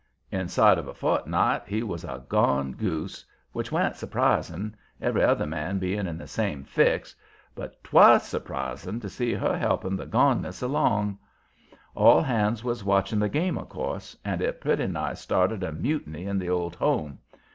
Inside of a fortni't he was a gone goose, which wa'n't surprising every other man being in the same fix but 'TWAS surprising to see her helping the goneness along. All hands was watching the game, of course, and it pretty nigh started a mutiny at the Old Home.